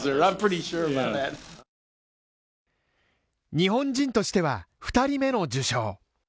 日本人としては、二人目の受賞。